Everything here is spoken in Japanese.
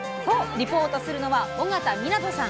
リポートするのは緒方湊さん。